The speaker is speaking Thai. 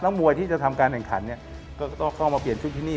มวยที่จะทำการแข่งขันเนี่ยก็ต้องเข้ามาเปลี่ยนชุดที่นี่